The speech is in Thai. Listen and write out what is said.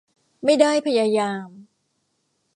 ไม่ได้พยายาม